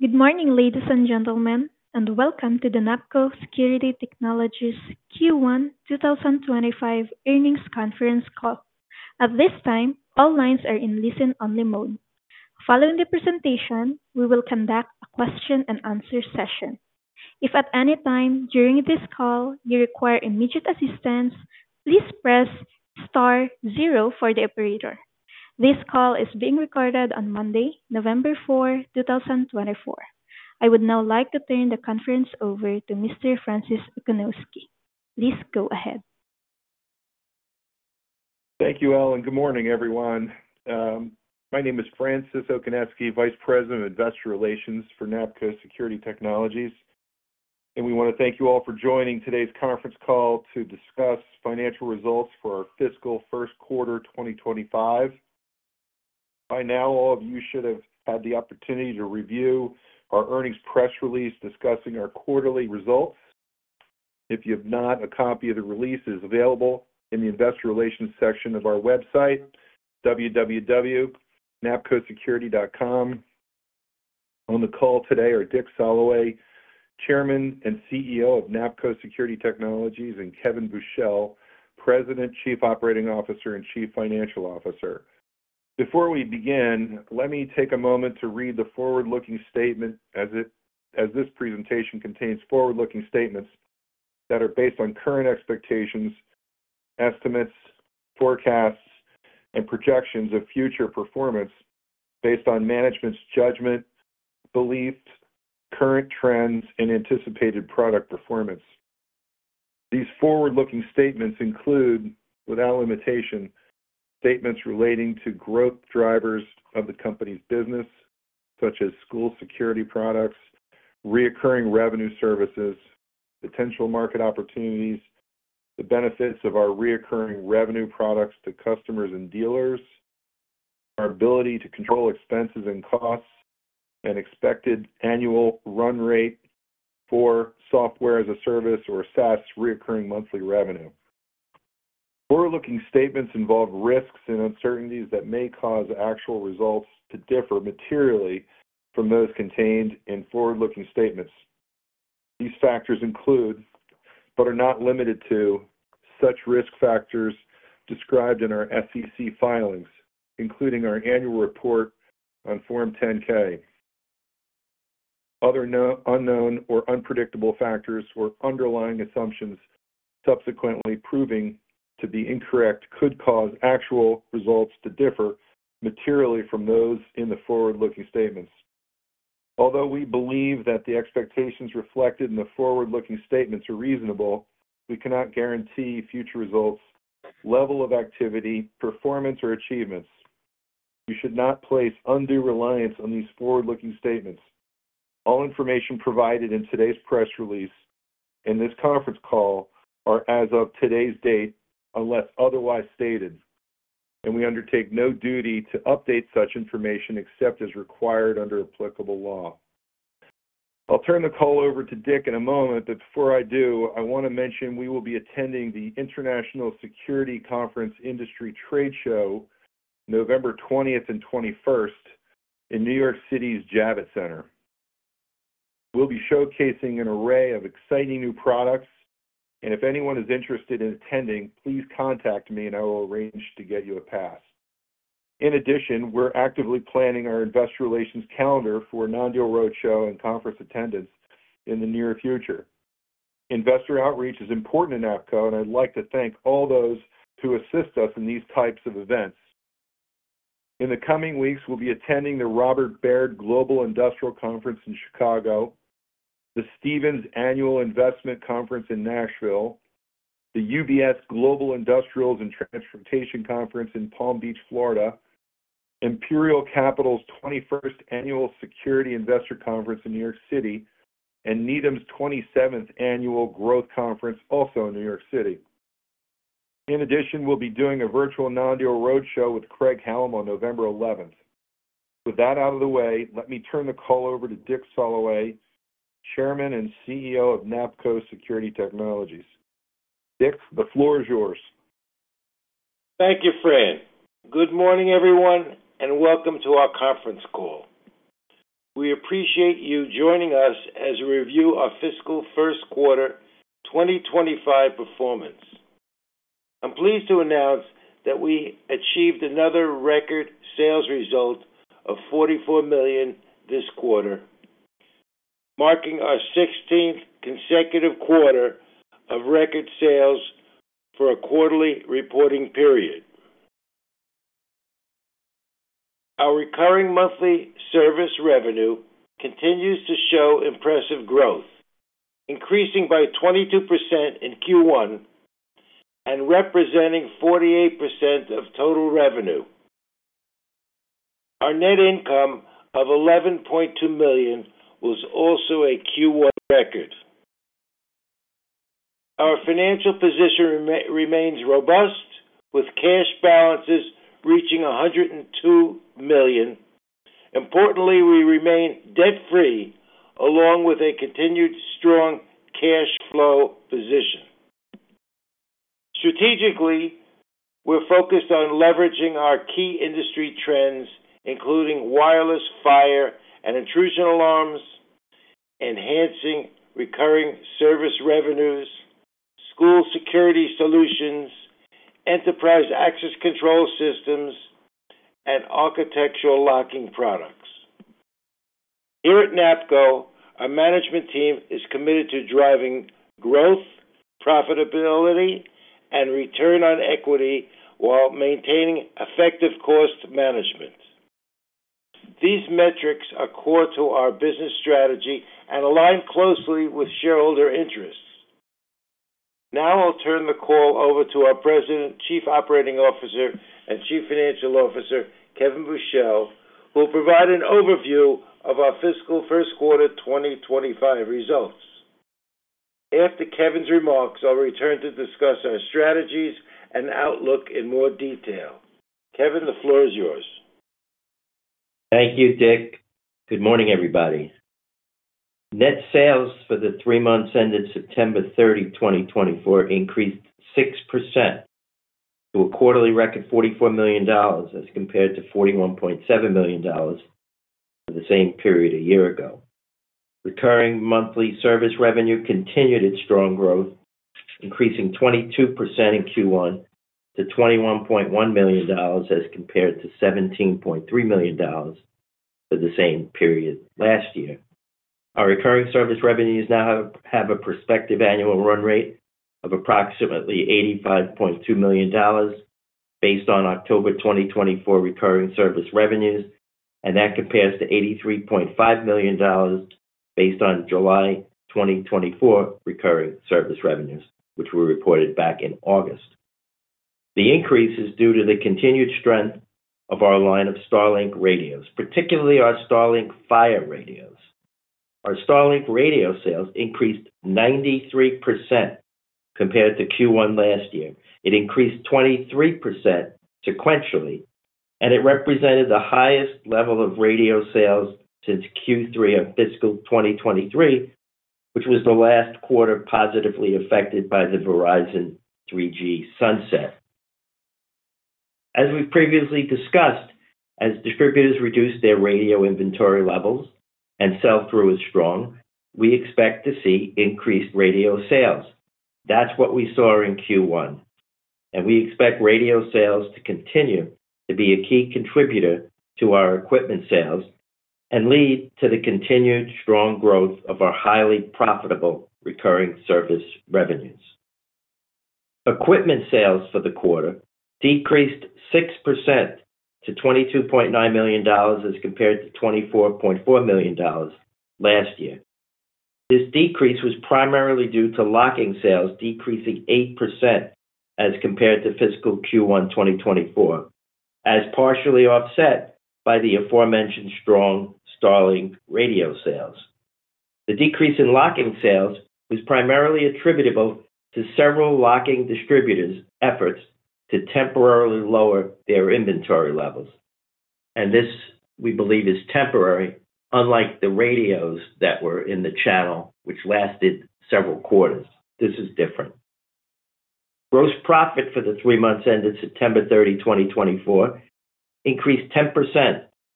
Good morning, ladies and gentlemen, and welcome to the NAPCO Security Technologies Q1 2025 Earnings Conference Call. At this time, all lines are in listen-only mode. Following the presentation, we will conduct a question-and-answer session. If at any time during this call you require immediate assistance, please press star zero for the operator. This call is being recorded on Monday, November 4, 2024. I would now like to turn the conference over to Mr. Francis Okoniewski. Please go ahead. Thank you all, and good morning, everyone. My name is Francis Okoniewski, Vice President of Investor Relations for NAPCO Security Technologies, and we want to thank you all for joining today's conference call to discuss financial results for our fiscal first quarter 2025. By now, all of you should have had the opportunity to review our earnings press release discussing our quarterly results. If you have not, a copy of the release is available in the Investor Relations section of our website, www.napcosecurity.com. On the call today are Dick Soloway, Chairman and CEO of NAPCO Security Technologies, and Kevin Buchel, President, Chief Operating Officer, and Chief Financial Officer. Before we begin, let me take a moment to read the forward-looking statement as this presentation contains forward-looking statements that are based on current expectations, estimates, forecasts, and projections of future performance based on management's judgment, beliefs, current trends, and anticipated product performance. These forward-looking statements include, without limitation, statements relating to growth drivers of the company's business, such as school security products, recurring revenue services, potential market opportunities, the benefits of our recurring revenue products to customers and dealers, our ability to control expenses and costs, and expected annual run rate for software as a service or SaaS recurring monthly revenue. Forward-looking statements involve risks and uncertainties that may cause actual results to differ materially from those contained in forward-looking statements. These factors include, but are not limited to, such risk factors described in our SEC filings, including our annual report on Form 10-K. Other unknown or unpredictable factors or underlying assumptions subsequently proving to be incorrect could cause actual results to differ materially from those in the forward-looking statements. Although we believe that the expectations reflected in the forward-looking statements are reasonable, we cannot guarantee future results, level of activity, performance, or achievements. You should not place undue reliance on these forward-looking statements. All information provided in today's press release and this conference call are, as of today's date, unless otherwise stated, and we undertake no duty to update such information except as required under applicable law. I'll turn the call over to Dick in a moment, but before I do, I want to mention we will be attending the International Security Conference Industry Trade Show, November 20th and 21st, in New York City's Javits Center. We'll be showcasing an array of exciting new products, and if anyone is interested in attending, please contact me, and I will arrange to get you a pass. In addition, we're actively planning our Investor Relations calendar for a non-deal roadshow and conference attendance in the near future. Investor outreach is important in NAPCO, and I'd like to thank all those who assist us in these types of events. In the coming weeks, we'll be attending the Robert Baird Global Industrial Conference in Chicago, the Stephens Annual Investment Conference in Nashville, the UBS Global Industrials and Transportation Conference in Palm Beach, Florida, Imperial Capital's 21st Annual Security Investor Conference in New York City, and Needham's 27th Annual Growth Conference, also in New York City. In addition, we'll be doing a virtual non-deal roadshow with Craig-Hallum on November 11th. With that out of the way, let me turn the call over to Dick Soloway, Chairman and CEO of NAPCO Security Technologies. Dick, the floor is yours. Thank you, Fran. Good morning, everyone, and welcome to our conference call. We appreciate you joining us as we review our fiscal first quarter 2025 performance. I'm pleased to announce that we achieved another record sales result of $44 million this quarter, marking our 16th consecutive quarter of record sales for a quarterly reporting period. Our recurring monthly service revenue continues to show impressive growth, increasing by 22% in Q1 and representing 48% of total revenue. Our net income of $11.2 million was also a Q1 record. Our financial position remains robust, with cash balances reaching $102 million. Importantly, we remain debt-free, along with a continued strong cash flow position. Strategically, we're focused on leveraging our key industry trends, including wireless, fire, and intrusion alarms, enhancing recurring service revenues, school security solutions, enterprise access control systems, and architectural locking products. Here at NAPCO, our management team is committed to driving growth, profitability, and return on equity while maintaining effective cost management. These metrics are core to our business strategy and align closely with shareholder interests. Now I'll turn the call over to our President, Chief Operating Officer, and Chief Financial Officer, Kevin Buchel, who will provide an overview of our fiscal first quarter 2025 results. After Kevin's remarks, I'll return to discuss our strategies and outlook in more detail. Kevin, the floor is yours. Thank you, Dick. Good morning, everybody. Net sales for the three months ended September 30, 2024, increased 6% to a quarterly record $44 million as compared to $41.7 million for the same period a year ago. Recurring monthly service revenue continued its strong growth, increasing 22% in Q1 to $21.1 million as compared to $17.3 million for the same period last year. Our recurring service revenues now have a prospective annual run rate of approximately $85.2 million based on October 2024 recurring service revenues, and that compares to $83.5 million based on July 2024 recurring service revenues, which were reported back in August. The increase is due to the continued strength of our line of StarLink radios, particularly our StarLink Fire radios. Our StarLink radio sales increased 93% compared to Q1 last year. It increased 23% sequentially, and it represented the highest level of radio sales since Q3 of fiscal 2023, which was the last quarter positively affected by the Verizon 3G sunset. As we previously discussed, as distributors reduce their radio inventory levels and sell-through is strong, we expect to see increased radio sales. That's what we saw in Q1, and we expect radio sales to continue to be a key contributor to our equipment sales and lead to the continued strong growth of our highly profitable recurring service revenues. Equipment sales for the quarter decreased 6% to $22.9 million as compared to $24.4 million last year. This decrease was primarily due to locking sales decreasing 8% as compared to fiscal Q1 2024, was partially offset by the aforementioned strong StarLink radio sales. The decrease in locking sales is primarily attributable to several locking distributors' efforts to temporarily lower their inventory levels, and this, we believe, is temporary, unlike the radios that were in the channel, which lasted several quarters. This is different. Gross profit for the three months ended September 30, 2024, increased 10%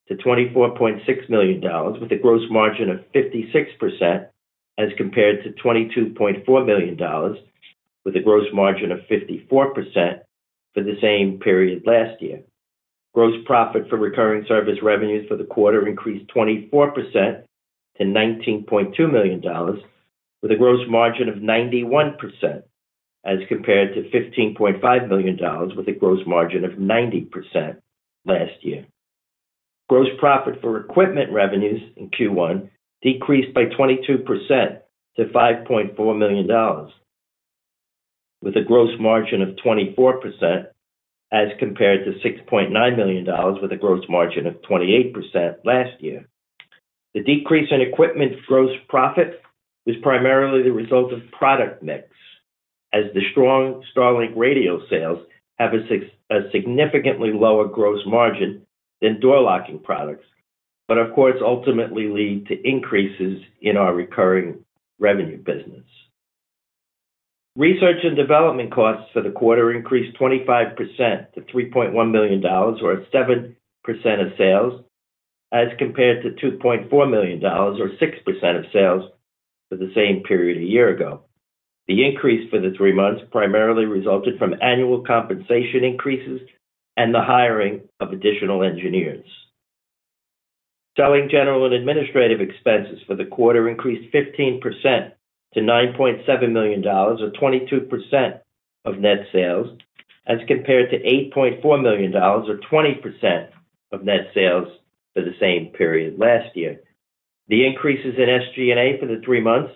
to $24.6 million, with a gross margin of 56% as compared to $22.4 million, with a gross margin of 54% for the same period last year. Gross profit for recurring service revenues for the quarter increased 24% to $19.2 million, with a gross margin of 91% as compared to $15.5 million, with a gross margin of 90% last year. Gross profit for equipment revenues in Q1 decreased by 22% to $5.4 million, with a gross margin of 24% as compared to $6.9 million, with a gross margin of 28% last year. The decrease in equipment gross profit is primarily the result of product mix, as the strong StarLink radio sales have a significantly lower gross margin than door locking products, but, of course, ultimately lead to increases in our recurring revenue business. Research and development costs for the quarter increased 25% to $3.1 million, or 7% of sales, as compared to $2.4 million, or 6% of sales for the same period a year ago. The increase for the three months primarily resulted from annual compensation increases and the hiring of additional engineers. Selling general and administrative expenses for the quarter increased 15% to $9.7 million, or 22% of net sales, as compared to $8.4 million, or 20% of net sales for the same period last year. The increases in SG&A for the three months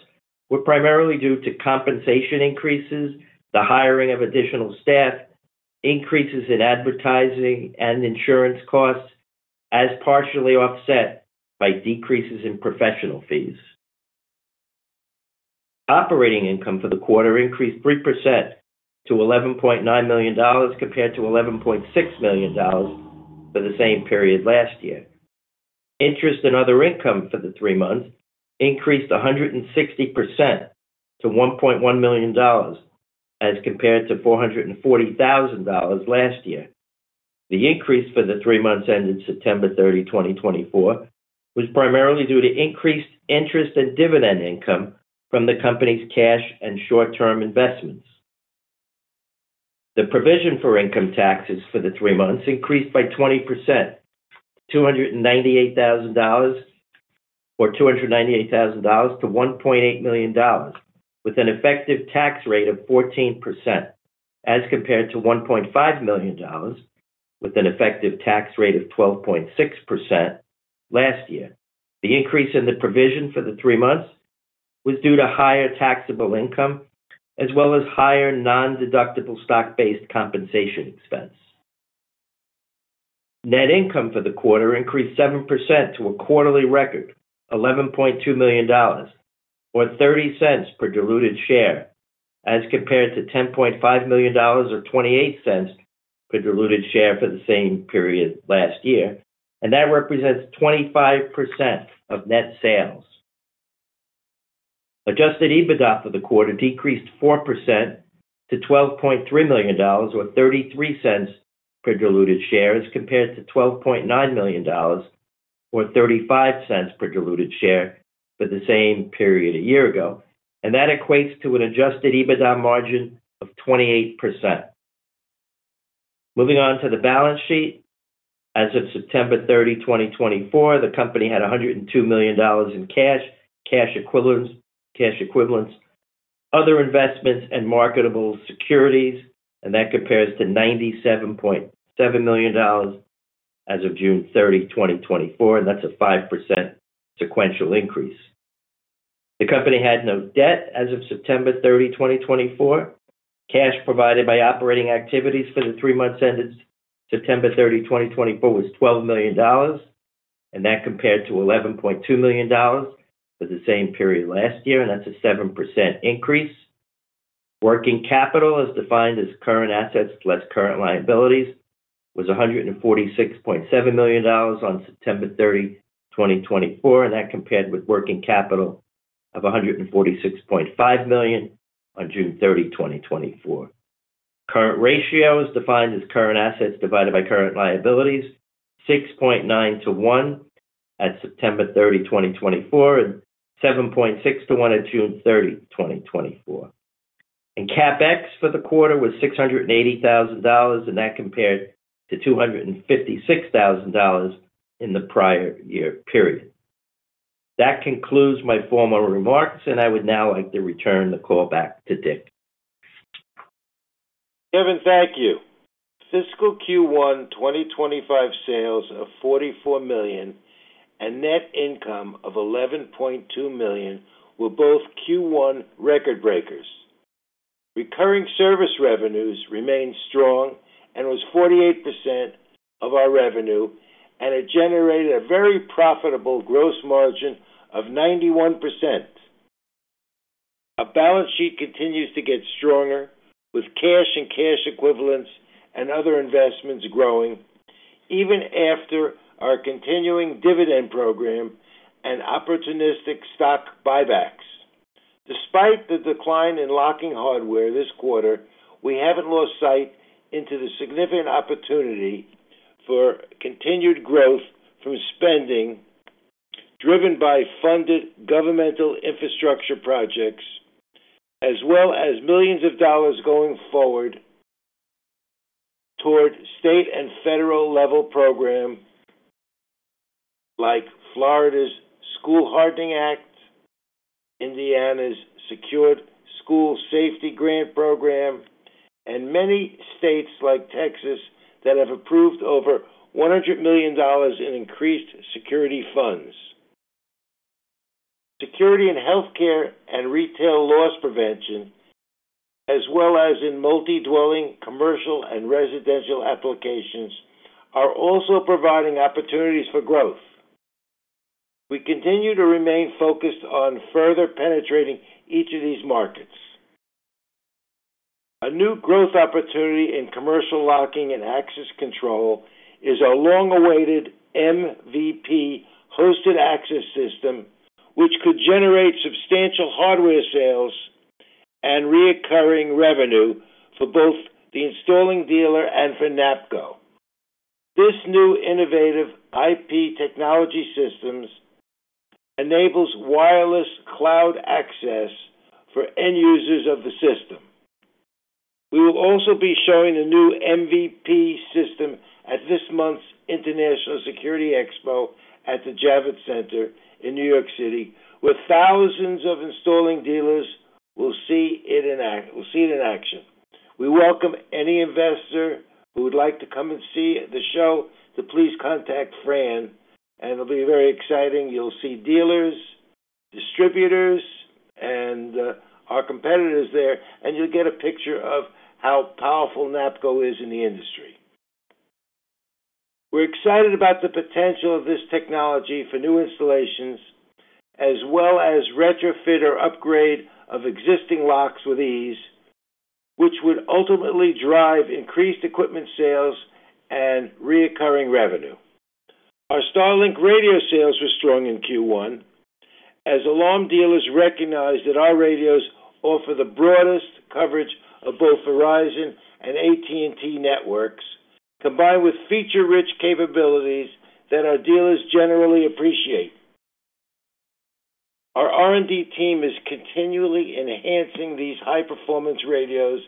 were primarily due to compensation increases, the hiring of additional staff, increases in advertising and insurance costs, as partially offset by decreases in professional fees. Operating income for the quarter increased 3% to $11.9 million compared to $11.6 million for the same period last year. Interest and other income for the three months increased 160% to $1.1 million as compared to $440,000 last year. The increase for the three months ended September 30, 2024, was primarily due to increased interest and dividend income from the company's cash and short-term investments. The provision for income taxes for the three months increased by 20%, $298,000 to $1.8 million, with an effective tax rate of 14% as compared to $1.5 million, with an effective tax rate of 12.6% last year. The increase in the provision for the three months was due to higher taxable income as well as higher non-deductible stock-based compensation expense. Net income for the quarter increased 7% to a quarterly record, $11.2 million, or $0.30 per diluted share, as compared to $10.5 million or $0.28 per diluted share for the same period last year, and that represents 25% of net sales. Adjusted EBITDA for the quarter decreased 4% to $12.3 million, or $0.33 per diluted share, as compared to $12.9 million, or $0.35 per diluted share for the same period a year ago, and that equates to an adjusted EBITDA margin of 28%. Moving on to the balance sheet, as of September 30, 2024, the company had $102 million in cash, cash equivalents, other investments, and marketable securities, and that compares to $97.7 million as of June 30, 2024, and that's a 5% sequential increase. The company had no debt as of September 30, 2024. Cash provided by operating activities for the three months ended September 30, 2024, was $12 million, and that compared to $11.2 million for the same period last year, and that's a 7% increase. Working capital, as defined as current assets less current liabilities, was $146.7 million on September 30, 2024, and that compared with working capital of $146.5 million on June 30, 2024. Current ratio, as defined as current assets divided by current liabilities, 6.9:1 at September 30, 2024, and 7.6:1 at June 30, 2024. And CapEx for the quarter was $680,000, and that compared to $256,000 in the prior year period. That concludes my formal remarks, and I would now like to return the call back to Dick. Kevin, thank you. Fiscal Q1 2025 sales of $44 million and net income of $11.2 million were both Q1 record breakers. Recurring service revenues remained strong and was 48% of our revenue, and it generated a very profitable gross margin of 91%. Our balance sheet continues to get stronger, with cash and cash equivalents and other investments growing, even after our continuing dividend program and opportunistic stock buybacks. Despite the decline in locking hardware this quarter, we haven't lost sight into the significant opportunity for continued growth from spending driven by funded governmental infrastructure projects, as well as millions of dollars going forward toward state and federal level programs like Florida's School Hardening Act, Indiana's Secured School Safety Grant Program, and many states like Texas that have approved over $100 million in increased security funds. Security in healthcare and retail loss prevention, as well as in multi-dwelling commercial and residential applications, are also providing opportunities for growth. We continue to remain focused on further penetrating each of these markets. A new growth opportunity in commercial locking and access control is a long-awaited MVP hosted access system, which could generate substantial hardware sales and recurring revenue for both the installing dealer and for NAPCO. This new innovative IP technology system enables wireless cloud access for end users of the system. We will also be showing a new MVP system at this month's International Security Expo at the Javits Center in New York City, where thousands of installing dealers will see it in action. We welcome any investor who would like to come and see the show to please contact Fran, and it'll be very exciting. You'll see dealers, distributors, and our competitors there, and you'll get a picture of how powerful NAPCO is in the industry. We're excited about the potential of this technology for new installations, as well as retrofit or upgrade of existing locks with ease, which would ultimately drive increased equipment sales and recurring revenue. Our StarLink radio sales were strong in Q1, as alarm dealers recognized that our radios offer the broadest coverage of both Verizon and AT&T networks, combined with feature-rich capabilities that our dealers generally appreciate. Our R&D team is continually enhancing these high-performance radios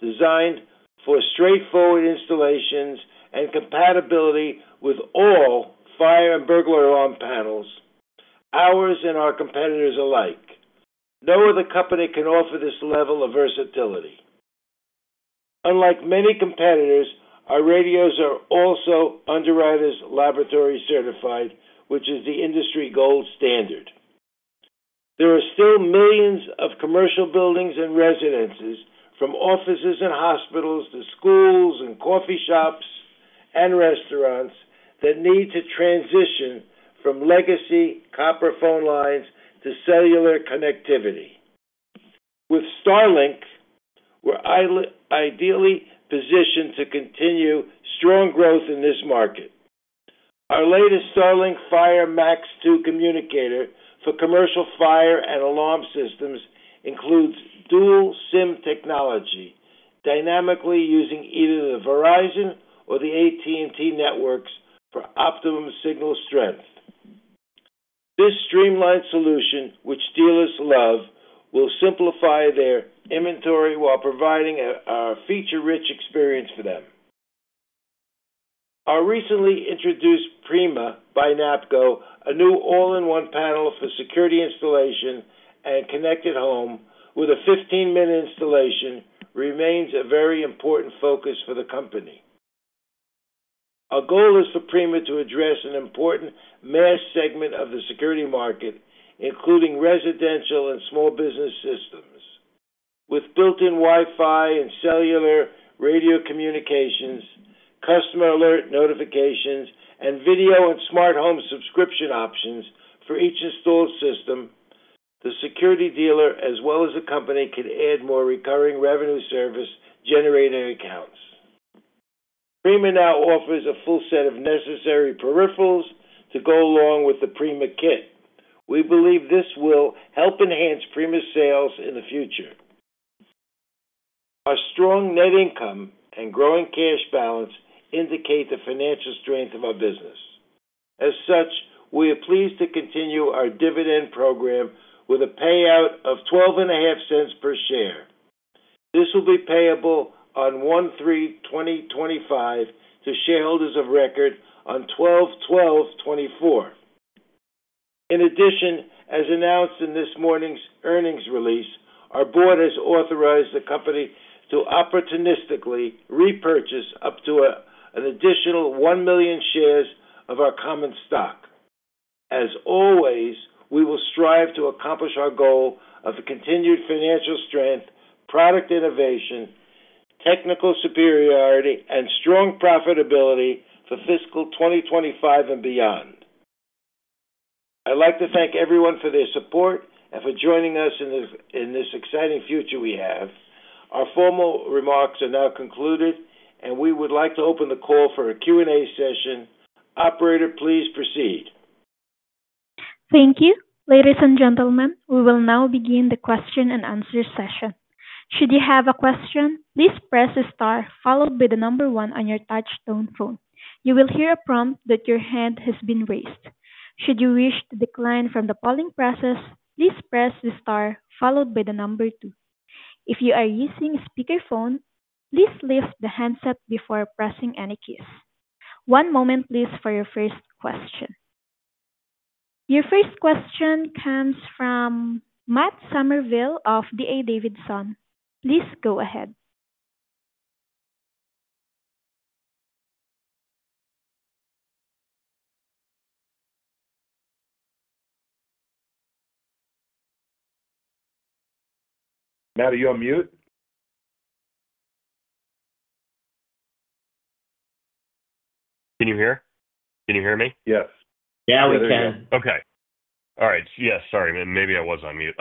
designed for straightforward installations and compatibility with all fire and burglar alarm panels, ours and our competitors alike. No other company can offer this level of versatility. Unlike many competitors, our radios are also Underwriters Laboratories certified, which is the industry gold standard. There are still millions of commercial buildings and residences, from offices and hospitals to schools and coffee shops and restaurants, that need to transition from legacy copper phone lines to cellular connectivity. With StarLink, we're ideally positioned to continue strong growth in this market. Our latest StarLink Fire MAX 2 communicator for commercial fire and alarm systems includes dual SIM technology, dynamically using either the Verizon or the AT&T networks for optimum signal strength. This streamlined solution, which dealers love, will simplify their inventory while providing a feature-rich experience for them. Our recently introduced Prima by NAPCO, a new all-in-one panel for security installation and connected home with a 15-minute installation, remains a very important focus for the company. Our goal is for Prima to address an important mass segment of the security market, including residential and small business systems. With built-in Wi-Fi and cellular radio communications, customer alert notifications, and video and smart home subscription options for each installed system, the security dealer, as well as the company, can add more recurring revenue service generating accounts. Prima now offers a full set of necessary peripherals to go along with the Prima kit. We believe this will help enhance Prima's sales in the future. Our strong net income and growing cash balance indicate the financial strength of our business. As such, we are pleased to continue our dividend program with a payout of $0.125 per share. This will be payable on 1/3/2025 to shareholders of record on 12/12/2024. In addition, as announced in this morning's earnings release, our board has authorized the company to opportunistically repurchase up to an additional 1 million shares of our common stock. As always, we will strive to accomplish our goal of continued financial strength, product innovation, technical superiority, and strong profitability for fiscal 2025 and beyond. I'd like to thank everyone for their support and for joining us in this exciting future we have. Our formal remarks are now concluded, and we would like to open the call for a Q&A session. Operator, please proceed. Thank you. Ladies and gentlemen, we will now begin the question and answer session. Should you have a question, please press the star followed by the number one on your touch-tone phone. You will hear a prompt that your hand has been raised. Should you wish to decline from the polling process, please press the star followed by the number two. If you are using a speakerphone, please lift the handset before pressing any keys. One moment, please, for your first question. Your first question comes from Matt Summerville of D.A. Davidson. Please go ahead. Matt, are you on mute? Can you hear? Can you hear me? Yes. Yeah, we can. Okay. All right. Yes. Sorry. Maybe I was on mute.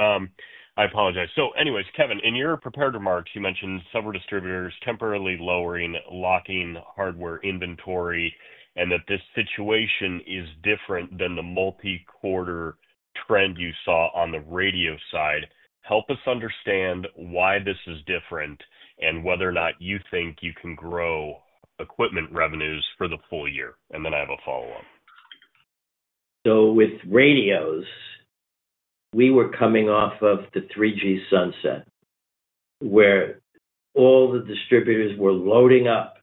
I apologize. So anyways, Kevin, in your prepared remarks, you mentioned several distributors temporarily lowering locking hardware inventory and that this situation is different than the multi-quarter trend you saw on the radio side. Help us understand why this is different and whether or not you think you can grow equipment revenues for the full year. And then I have a follow-up. So with radios, we were coming off of the 3G sunset where all the distributors were loading up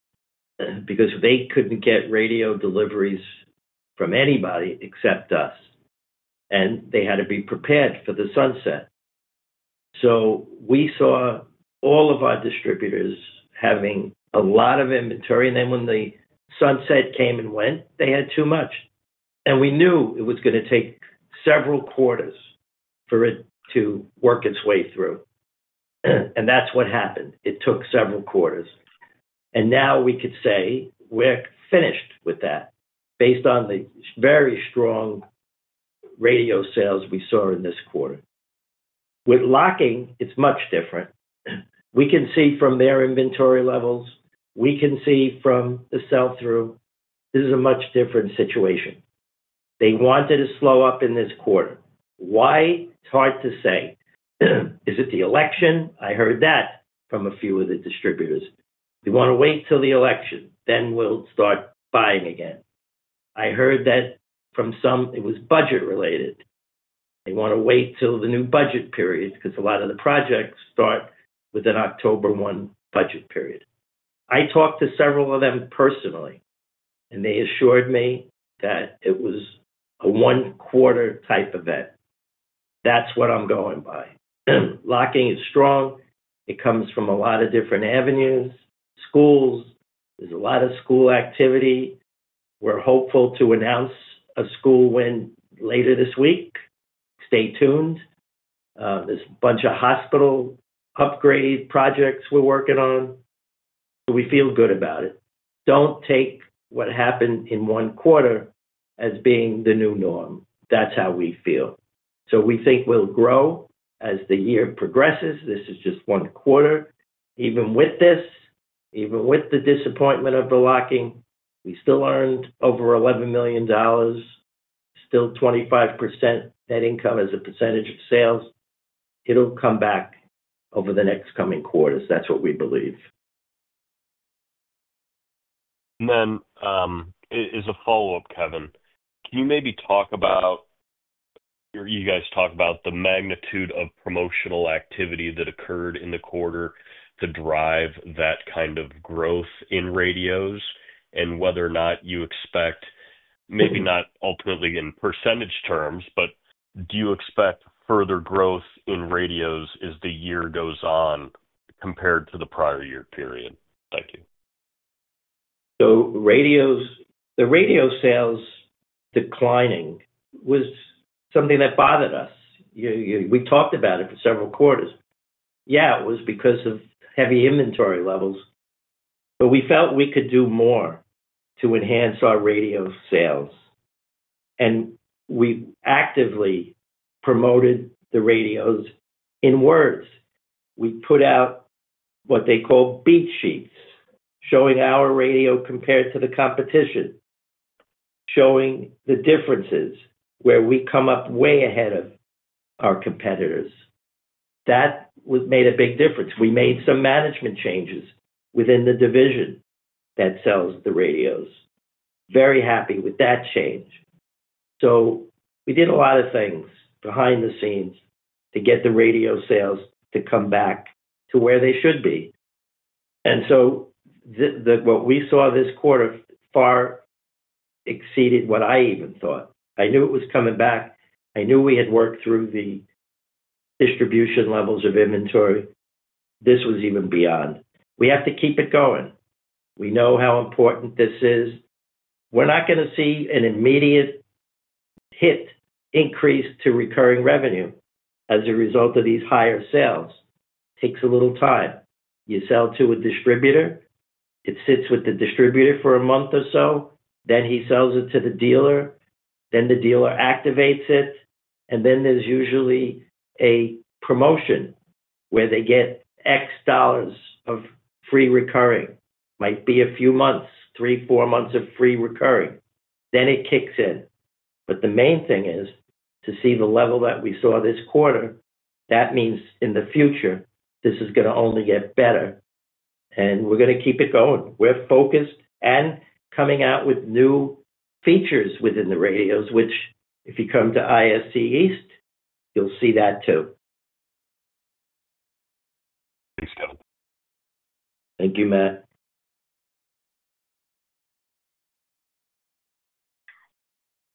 because they couldn't get radio deliveries from anybody except us, and they had to be prepared for the sunset. So we saw all of our distributors having a lot of inventory, and then when the sunset came and went, they had too much. And we knew it was going to take several quarters for it to work its way through. And that's what happened. It took several quarters. And now we could say we're finished with that based on the very strong radio sales we saw in this quarter. With locking, it's much different. We can see from their inventory levels. We can see from the sell-through. This is a much different situation. They wanted to slow up in this quarter. Why? It's hard to say. Is it the election? I heard that from a few of the distributors. They want to wait till the election, then we'll start buying again. I heard that from some it was budget-related. They want to wait till the new budget period because a lot of the projects start with an October 1 budget period. I talked to several of them personally, and they assured me that it was a one-quarter type event. That's what I'm going by. Locking is strong. It comes from a lot of different avenues. Schools. There's a lot of school activity. We're hopeful to announce a school win later this week. Stay tuned. There's a bunch of hospital upgrade projects we're working on. So we feel good about it. Don't take what happened in one quarter as being the new norm. That's how we feel. So we think we'll grow as the year progresses. This is just one quarter. Even with this, even with the disappointment of the locking, we still earned over $11 million. Still 25% net income as a percentage of sales. It'll come back over the next coming quarters. That's what we believe. And then as a follow-up, Kevin, can you maybe talk about or you guys talk about the magnitude of promotional activity that occurred in the quarter to drive that kind of growth in radios and whether or not you expect maybe not ultimately in percentage terms, but do you expect further growth in radios as the year goes on compared to the prior year period? Thank you. So the radio sales declining was something that bothered us. We talked about it for several quarters. Yeah, it was because of heavy inventory levels. But we felt we could do more to enhance our radio sales. And we actively promoted the radios. In other words, we put out what they call beat sheets showing our radio compared to the competition, showing the differences where we come up way ahead of our competitors. That made a big difference. We made some management changes within the division that sells the radios. Very happy with that change. So we did a lot of things behind the scenes to get the radio sales to come back to where they should be. And so what we saw this quarter far exceeded what I even thought. I knew it was coming back. I knew we had worked through the distribution levels of inventory. This was even beyond. We have to keep it going. We know how important this is. We're not going to see an immediate hit increase to recurring revenue as a result of these higher sales. Takes a little time. You sell to a distributor. It sits with the distributor for a month or so. Then he sells it to the dealer. Then the dealer activates it, and then there's usually a promotion where they get x dollars of free recurring. Might be a few months, three, four months of free recurring. Then it kicks in, but the main thing is to see the level that we saw this quarter. That means in the future, this is going to only get better, and we're going to keep it going. We're focused and coming out with new features within the radios, which if you come to ISC East, you'll see that too. Thanks, Kevin. Thank you, Matt.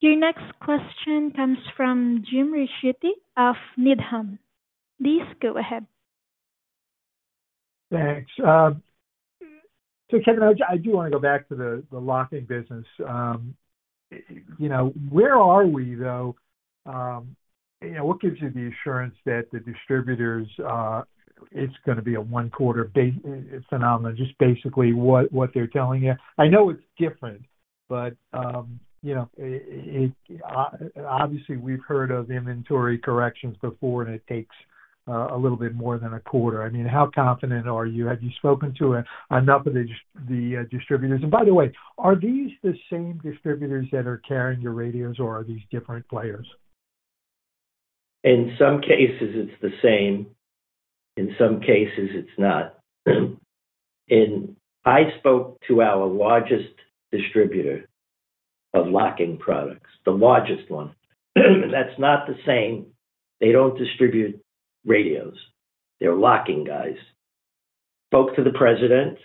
Your next question comes from James Ricchiuti of Needham. Please go ahead. Thanks. So Kevin, I do want to go back to the locking business. Where are we, though? What gives you the assurance that the distributors it's going to be a one-quarter phenomenon, just basically what they're telling you? I know it's different, but obviously, we've heard of inventory corrections before, and it takes a little bit more than a quarter. I mean, how confident are you? Have you spoken to enough of the distributors? And by the way, are these the same distributors that are carrying your radios, or are these different players? In some cases, it's the same. In some cases, it's not, and I spoke to our largest distributor of locking products, the largest one. That's not the same. They don't distribute radios. They're locking guys. Spoke to the president.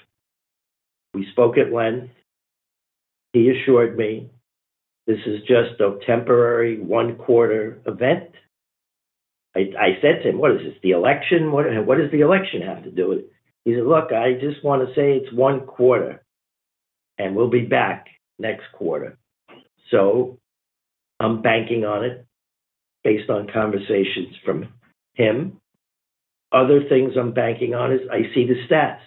We spoke at length. He assured me this is just a temporary one-quarter event. I said to him, "What is this? The election? What does the election have to do with it?" He said, "Look, I just want to say it's one quarter, and we'll be back next quarter," so I'm banking on it based on conversations from him. Other things I'm banking on is I see the stats.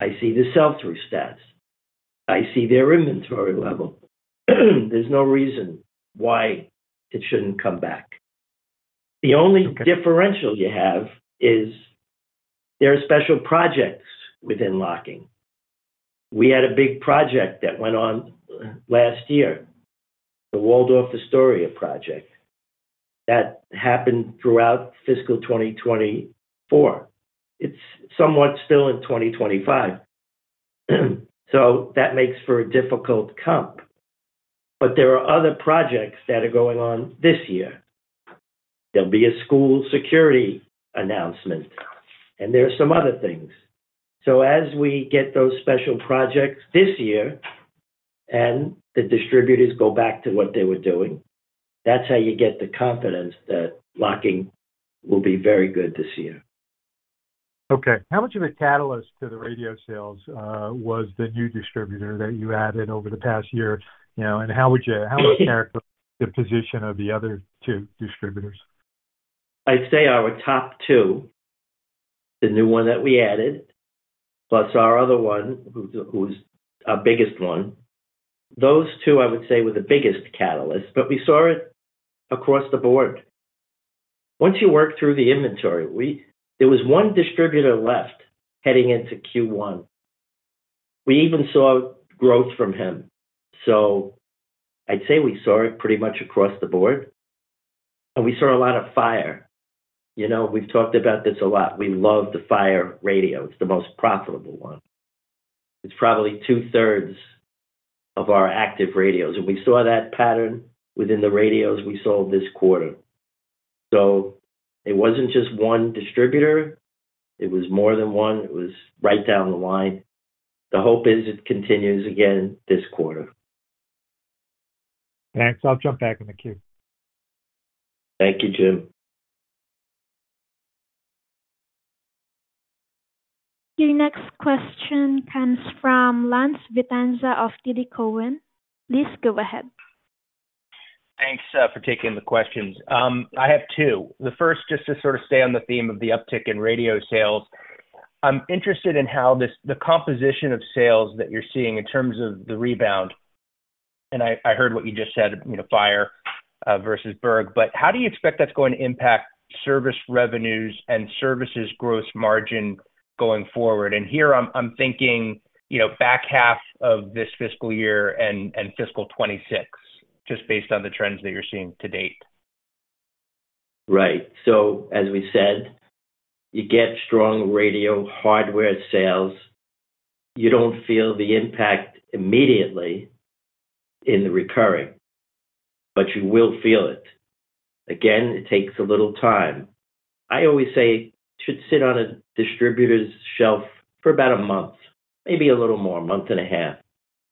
I see the sell-through stats. I see their inventory level. There's no reason why it shouldn't come back. The only differential you have is there are special projects within locking. We had a big project that went on last year, the Waldorf Astoria project. That happened throughout fiscal 2024. It's somewhat still in 2025. So that makes for a difficult comp. But there are other projects that are going on this year. There'll be a school security announcement, and there are some other things. So as we get those special projects this year and the distributors go back to what they were doing, that's how you get the confidence that locking will be very good this year. Okay. How much of a catalyst to the radio sales was the new distributor that you added over the past year? And how would you characterize the position of the other two distributors? I'd say our top two, the new one that we added, plus our other one, who's our biggest one, those two, I would say, were the biggest catalysts, but we saw it across the board. Once you work through the inventory, there was one distributor left heading into Q1. We even saw growth from him, so I'd say we saw it pretty much across the board, and we saw a lot of Fire. We've talked about this a lot. We love the Fire radio. It's the most profitable one. It's probably 2/3 of our active radios, and we saw that pattern within the radios we sold this quarter, so it wasn't just one distributor. It was more than one. It was right down the line. The hope is it continues again this quarter. Thanks. I'll jump back in the queue. Thank you, James. Your next question comes from Lance Vitanza of TD Cowen. Please go ahead. Thanks for taking the questions. I have two. The first, just to sort of stay on the theme of the uptick in radio sales. I'm interested in how the composition of sales that you're seeing in terms of the rebound. And I heard what you just said, Fire versus Burg, but how do you expect that's going to impact service revenues and services gross margin going forward? And here, I'm thinking back half of this fiscal year and fiscal 2026, just based on the trends that you're seeing to date. Right. So as we said, you get strong radio hardware sales. You don't feel the impact immediately in the recurring, but you will feel it. Again, it takes a little time. I always say it should sit on a distributor's shelf for about a month, maybe a little more, a month and a half.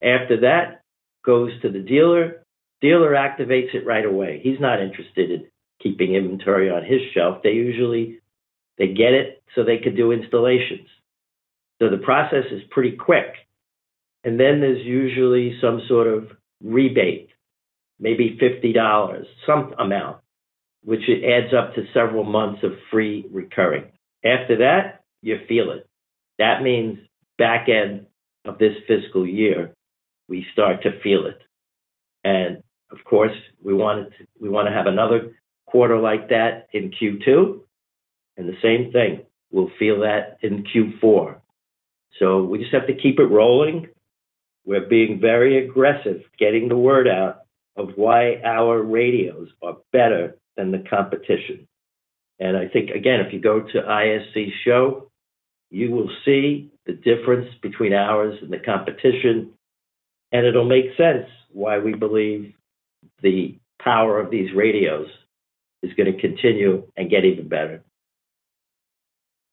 After that, it goes to the dealer. Dealer activates it right away. He's not interested in keeping inventory on his shelf. They get it so they could do installations. So the process is pretty quick. And then there's usually some sort of rebate, maybe $50, some amount, which it adds up to several months of free recurring. After that, you feel it. That means back end of this fiscal year, we start to feel it. And of course, we want to have another quarter like that in Q2. And the same thing, we'll feel that in Q4. So we just have to keep it rolling. We're being very aggressive getting the word out of why our radios are better than the competition. And I think, again, if you go to ISC's show, you will see the difference between ours and the competition. And it'll make sense why we believe the power of these radios is going to continue and get even better.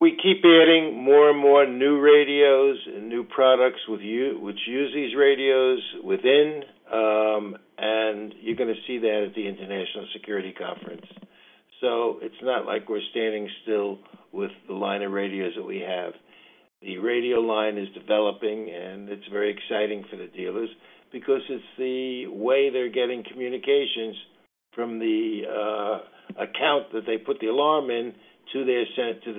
We keep adding more and more new radios and new products which use these radios within. And you're going to see that at the International Security Conference. So it's not like we're standing still with the line of radios that we have. The radio line is developing, and it's very exciting for the dealers because it's the way they're getting communications from the account that they put the alarm in to their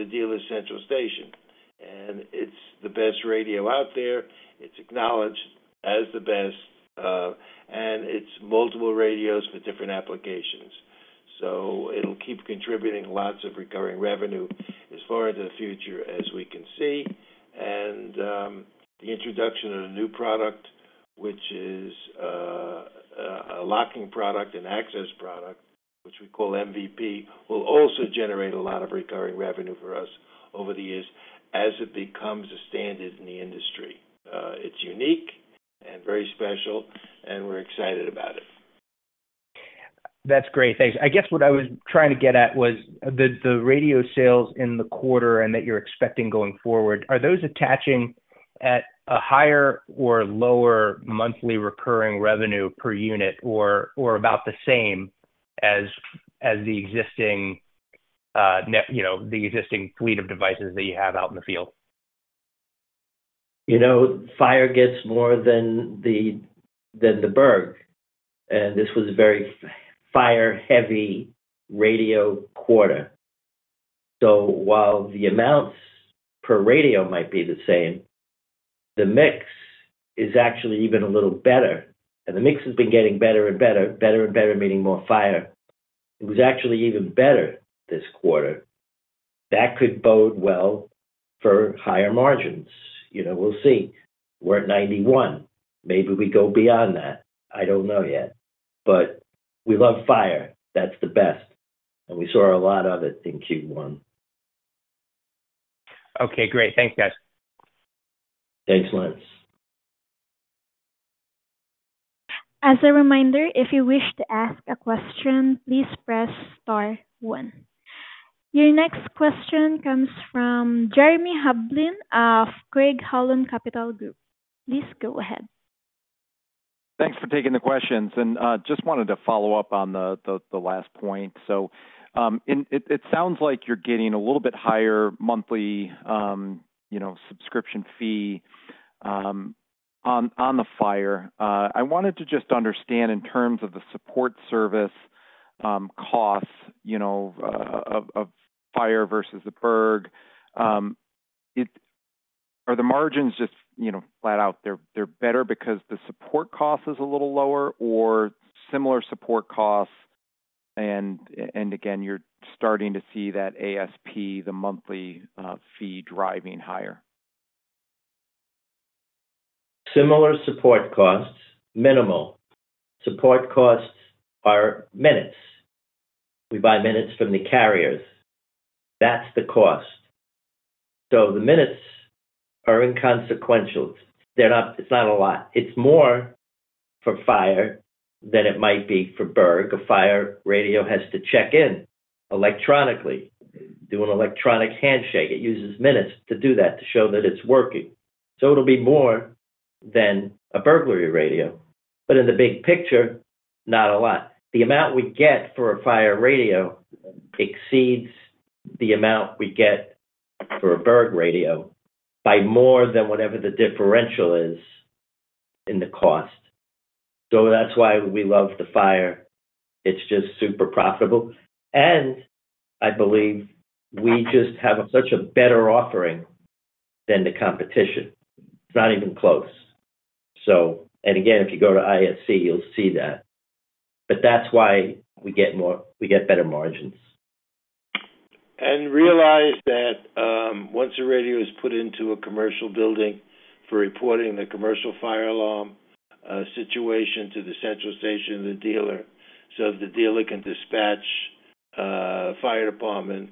dealer's central station. And it's the best radio out there. It's acknowledged as the best. And it's multiple radios for different applications. So it'll keep contributing lots of recurring revenue as far into the future as we can see. The introduction of a new product, which is a locking product, an access product, which we call MVP, will also generate a lot of recurring revenue for us over the years as it becomes a standard in the industry. It's unique and very special, and we're excited about it. That's great. Thanks. I guess what I was trying to get at was the radio sales in the quarter and that you're expecting going forward, are those attaching at a higher or lower monthly recurring revenue per unit or about the same as the existing fleet of devices that you have out in the field? Fire gets more than the Burg, and this was a very Fire-heavy radio quarter. So while the amounts per radio might be the same, the mix is actually even a little better. And the mix has been getting better and better, better and better, meaning more Fire. It was actually even better this quarter. That could bode well for higher margins. We'll see. We're at 91. Maybe we go beyond that. I don't know yet. But we love Fire. That's the best. And we saw a lot of it in Q1. Okay. Great. Thanks, guys. Thanks, Lance. As a reminder, if you wish to ask a question, please press star one. Your next question comes from Jeremy Hamblin of Craig-Hallum Capital Group. Please go ahead. Thanks for taking the questions, and just wanted to follow up on the last point, so it sounds like you're getting a little bit higher monthly subscription fee on the Fire. I wanted to just understand in terms of the support service costs of Fire versus the Burg. Are the margins just flat out? They're better because the support cost is a little lower or similar support costs, and again, you're starting to see that ASP, the monthly fee, driving higher? Similar support costs, minimal. Support costs are minutes. We buy minutes from the carriers. That's the cost. So the minutes are inconsequential. It's not a lot. It's more for Fire than it might be for Burg. A Fire radio has to check in electronically, do an electronic handshake. It uses minutes to do that, to show that it's working. So it'll be more than a burglary radio. But in the big picture, not a lot. The amount we get for a Fire radio exceeds the amount we get for a Burg radio by more than whatever the differential is in the cost. So that's why we love the Fire. It's just super profitable. And I believe we just have such a better offering than the competition. It's not even close. And again, if you go to ISC, you'll see that. But that's why we get better margins. And realize that once a radio is put into a commercial building for reporting the commercial fire alarm situation to the central station of the dealer so the dealer can dispatch fire department,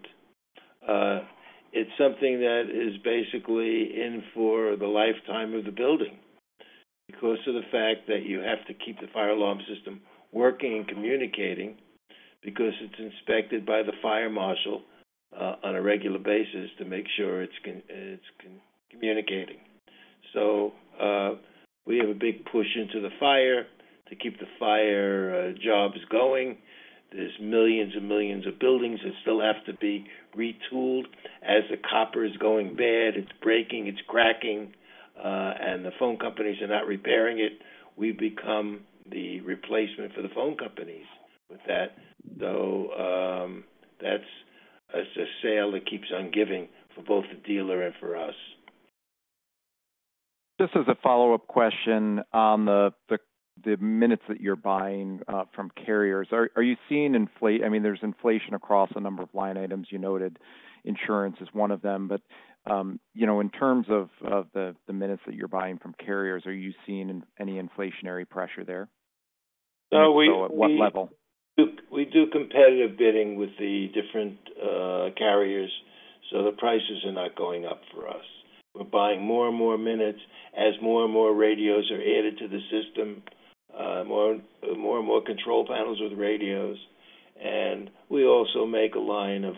it's something that is basically in for the lifetime of the building because of the fact that you have to keep the fire alarm system working and communicating because it's inspected by the fire marshal on a regular basis to make sure it's communicating. So we have a big push into the fire to keep the fire jobs going. There's millions and millions of buildings that still have to be retooled. As the copper is going bad, it's breaking, it's cracking, and the phone companies are not repairing it. We become the replacement for the phone companies with that. So that's a sale that keeps on giving for both the dealer and for us. Just as a follow-up question on the minutes that you're buying from carriers, are you seeing inflation? I mean, there's inflation across a number of line items. You noted insurance is one of them. But in terms of the minutes that you're buying from carriers, are you seeing any inflationary pressure there? No. We do competitive bidding with the different carriers. So the prices are not going up for us. We're buying more and more minutes as more and more radios are added to the system, more and more control panels with radios. And we also make a line of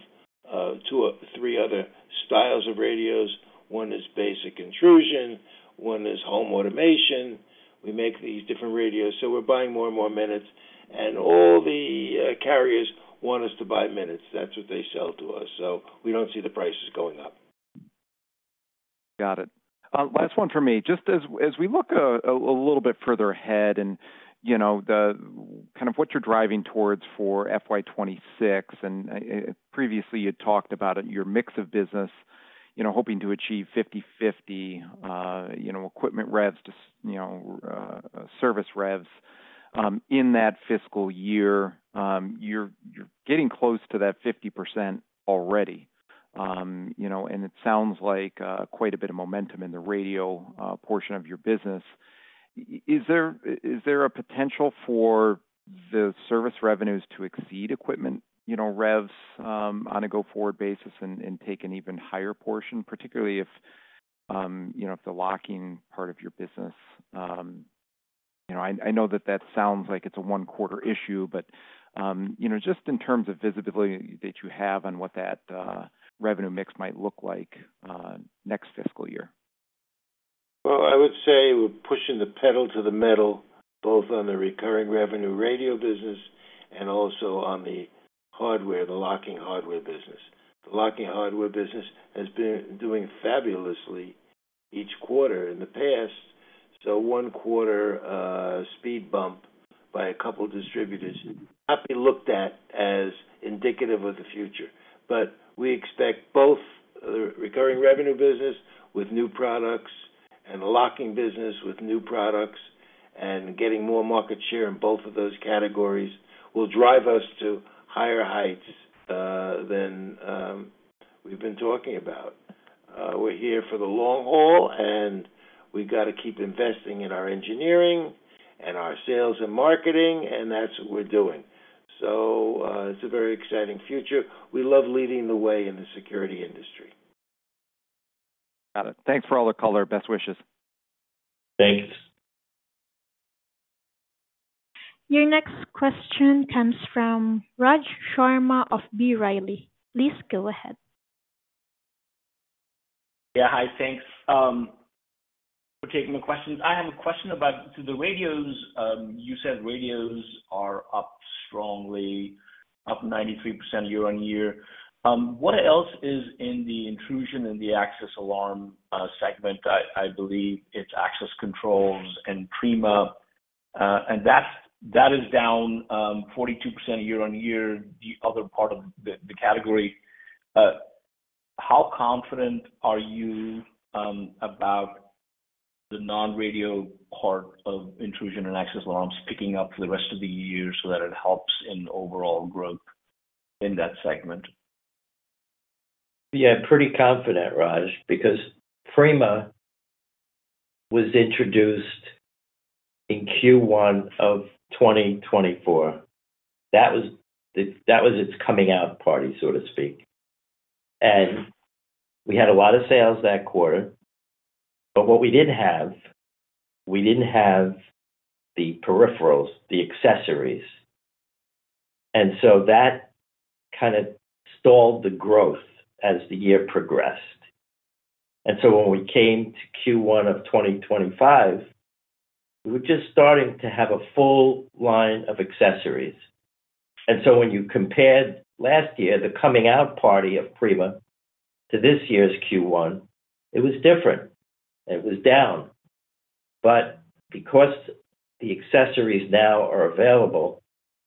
three other styles of radios. One is basic intrusion. One is home automation. We make these different radios. So we're buying more and more minutes. And all the carriers want us to buy minutes. That's what they sell to us. So we don't see the prices going up. Got it. Last one for me. Just as we look a little bit further ahead and kind of what you're driving towards for FY 2026, and previously, you'd talked about your mix of business, hoping to achieve 50/50 equipment revs to service revs. In that fiscal year, you're getting close to that 50% already. And it sounds like quite a bit of momentum in the radio portion of your business. Is there a potential for the service revenues to exceed equipment revs on a go-forward basis and take an even higher portion, particularly if the locking part of your business? I know that that sounds like it's a one-quarter issue, but just in terms of visibility that you have on what that revenue mix might look like next fiscal year? I would say we're pushing the pedal to the metal, both on the recurring revenue radio business and also on the hardware, the locking hardware business. The locking hardware business has been doing fabulously each quarter in the past. One-quarter speed bump by a couple of distributors has not been looked at as indicative of the future. We expect both the recurring revenue business with new products and the locking business with new products and getting more market share in both of those categories will drive us to higher heights than we've been talking about. We're here for the long haul, and we've got to keep investing in our engineering and our sales and marketing, and that's what we're doing. It's a very exciting future. We love leading the way in the security industry. Got it. Thanks for all the color. Best wishes. Thanks. Your next question comes from Raj Sharma of B. Riley. Please go ahead. Yeah. Hi. Thanks for taking my questions. I have a question about the radios. You said radios are up strongly, up 93% year-on-year. What else is in the intrusion and the access alarm segment? I believe it's access controls and Prima. And that is down 42% year-on-year, the other part of the category. How confident are you about the non-radio part of intrusion and access alarms picking up for the rest of the year so that it helps in overall growth in that segment? Yeah. Pretty confident, Raj, because Prima was introduced in Q1 of 2024. That was its coming out party, so to speak. And we had a lot of sales that quarter. But what we didn't have, we didn't have the peripherals, the accessories. And so that kind of stalled the growth as the year progressed. And so when we came to Q1 of 2025, we were just starting to have a full line of accessories. And so when you compared last year, the coming out party of Prima to this year's Q1, it was different. It was down. But because the accessories now are available,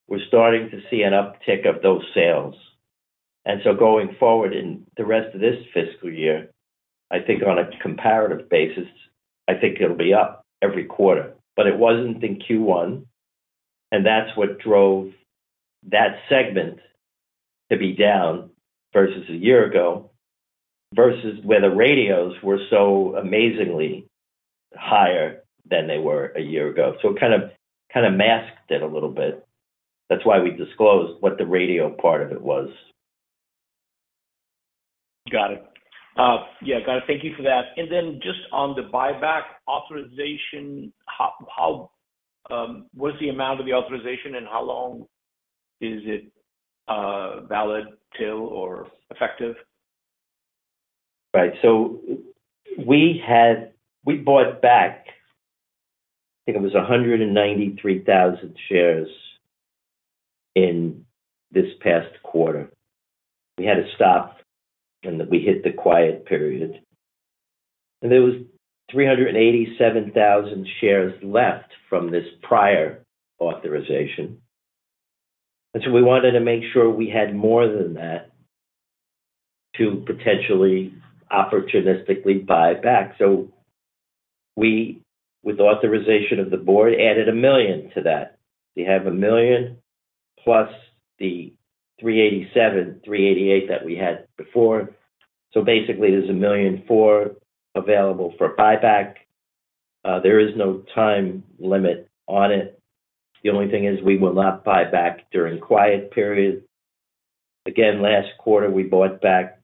we're starting to see an uptick of those sales. And so going forward in the rest of this fiscal year, I think on a comparative basis, I think it'll be up every quarter. But it wasn't in Q1. And that's what drove that segment to be down versus a year ago versus where the radios were so amazingly higher than they were a year ago. So it kind of masked it a little bit. That's why we disclosed what the radio part of it was. Got it. Yeah. Got it. Thank you for that. And then just on the buyback authorization, what is the amount of the authorization, and how long is it valid, till, or effective? Right. So we bought back, I think it was 193,000 shares in this past quarter. We had to stop when we hit the quiet period. And there was 387,000 shares left from this prior authorization. And so we wanted to make sure we had more than that to potentially opportunistically buy back. So we, with authorization of the board, added a million to that. We have a million plus the 387, 388 that we had before. So basically, there's a million more available for buyback. There is no time limit on it. The only thing is we will not buy back during quiet period. Again, last quarter, we bought back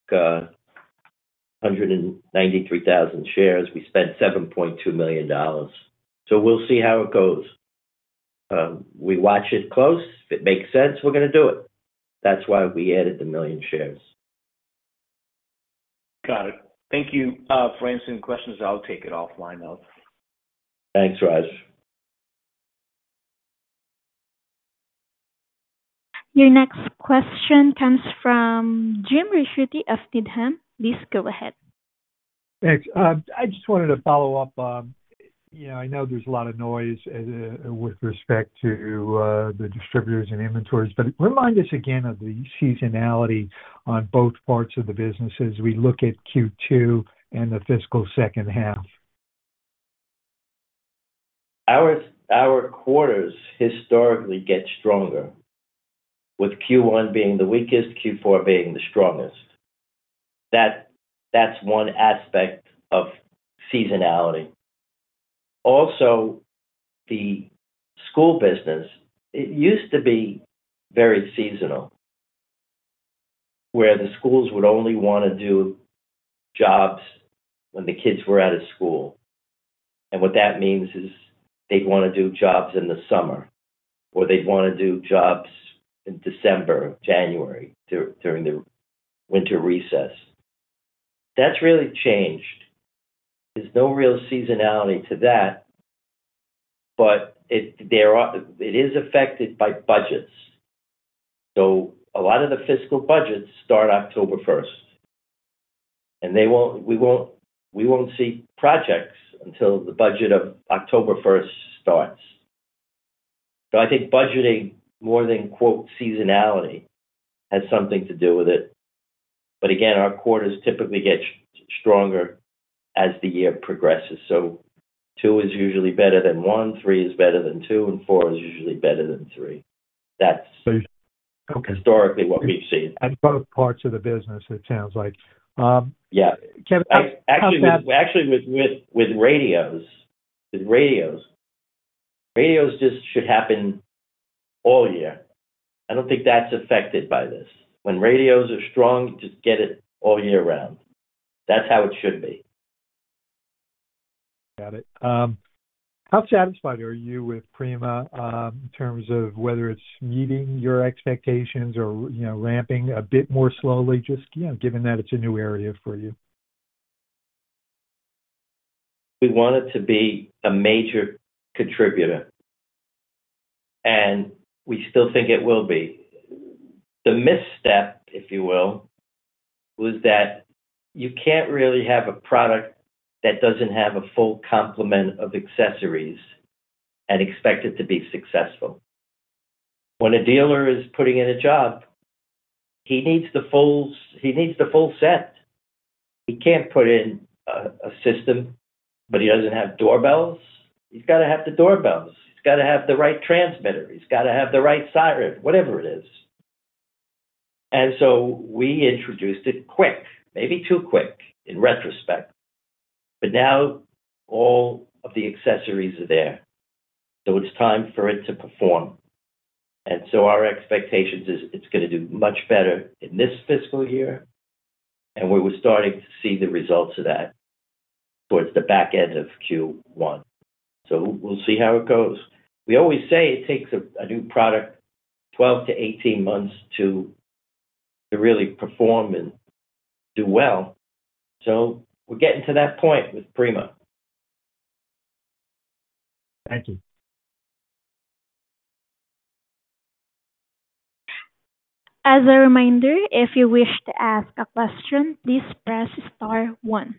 193,000 shares. We spent $7.2 million. So we'll see how it goes. We watch it close. If it makes sense, we're going to do it. That's why we added the million shares. Got it. Thank you. For answering the questions, I'll take it off my notes. Thanks, Raj. Your next question comes from James Ricchiuti of Needham. Please go ahead. Thanks. I just wanted to follow up. I know there's a lot of noise with respect to the distributors and inventories, but remind us again of the seasonality on both parts of the business as we look at Q2 and the fiscal second half. Our quarters historically get stronger, with Q1 being the weakest, Q4 being the strongest. That's one aspect of seasonality. Also, the school business, it used to be very seasonal, where the schools would only want to do jobs when the kids were out of school. And what that means is they'd want to do jobs in the summer, or they'd want to do jobs in December, January during the winter recess. That's really changed. There's no real seasonality to that, but it is affected by budgets. So a lot of the fiscal budgets start October 1st. And we won't see projects until the budget of October 1st starts. So I think budgeting more than "seasonality" has something to do with it. But again, our quarters typically get stronger as the year progresses. So two is usually better than one. Three is better than two, and four is usually better than three. That's historically what we've seen. And both parts of the business, it sounds like. Yeah. Actually, with radios, radios just should happen all year. I don't think that's affected by this. When radios are strong, just get it all year round. That's how it should be. Got it. How satisfied are you with Prima in terms of whether it's meeting your expectations or ramping a bit more slowly, just given that it's a new area for you? We want it to be a major contributor, and we still think it will be. The misstep, if you will, was that you can't really have a product that doesn't have a full complement of accessories and expect it to be successful. When a dealer is putting in a job, he needs the full set. He can't put in a system, but he doesn't have doorbells. He's got to have the doorbells. He's got to have the right transmitter. He's got to have the right siren, whatever it is. And so we introduced it quick, maybe too quick in retrospect. But now all of the accessories are there. So it's time for it to perform. And so our expectation is it's going to do much better in this fiscal year. And we were starting to see the results of that towards the back end of Q1. So we'll see how it goes. We always say it takes a new product 12-18 months to really perform and do well. So we're getting to that point with Prima. Thank you. As a reminder, if you wish to ask a question, please press star one.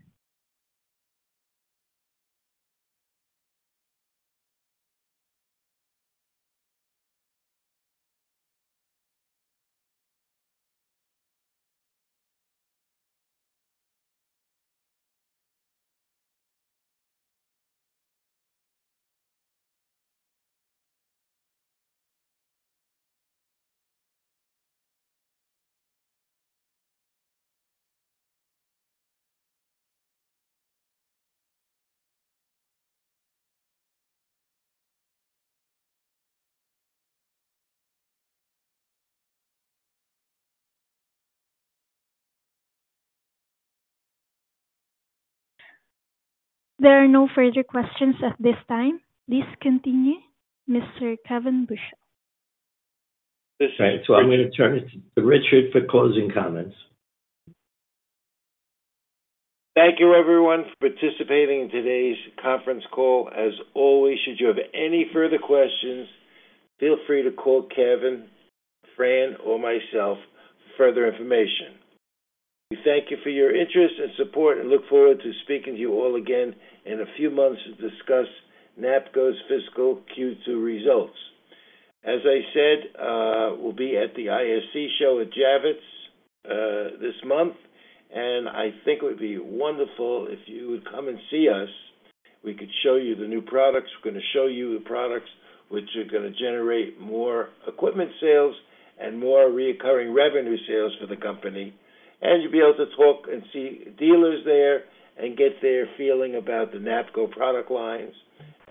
There are no further questions at this time. Please continue. Mr. Kevin Buchel. All right, so I'm going to turn it to Richard for closing comments. Thank you, everyone, for participating in today's conference call. As always, should you have any further questions, feel free to call Kevin, Fran, or myself for further information. We thank you for your interest and support and look forward to speaking to you all again in a few months to discuss NAPCO's fiscal Q2 results. As I said, we'll be at the ISC show at Javits this month, and I think it would be wonderful if you would come and see us. We could show you the new products. We're going to show you the products which are going to generate more equipment sales and more recurring revenue sales for the company, and you'll be able to talk and see dealers there and get their feeling about the NAPCO product lines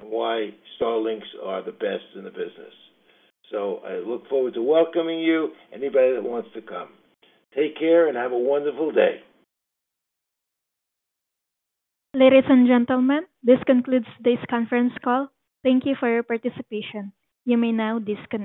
and why StarLinks are the best in the business. So I look forward to welcoming you, anybody that wants to come. Take care and have a wonderful day. Ladies and gentlemen, this concludes today's conference call. Thank you for your participation. You may now disconnect.